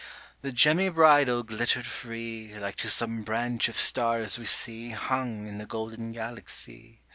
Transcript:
The gemmy bridle glitter'd free, Like to some branch of stars we see Hung in the golden Galaxy.